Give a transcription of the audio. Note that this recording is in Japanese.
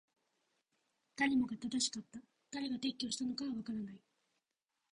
誰もが正しかった。誰が撤去したのかはわからない。